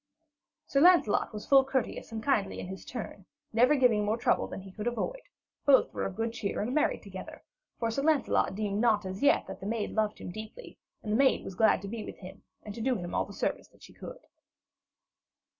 Sir Lancelot was full courteous and kindly in his turn, never giving more trouble than he could avoid; both were of good cheer and merry together, for Sir Lancelot deemed not as yet that the maid loved him deeply, and the maid was glad to be with him and to do him all the service that she could.